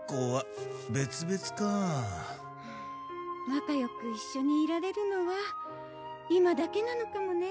仲良く一緒にいられるのは今だけなのかもね。